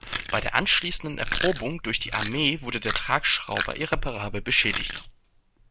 Bei der anschließenden Erprobung durch die Armee wurde der Tragschrauber irreparabel beschädigt.